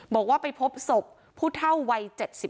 บอกว่าไปพบศพผู้เท่าวัย๗๒